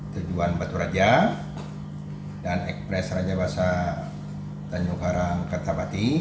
tujuan batu raja dan ekspres raja basah tanjung karang kata pati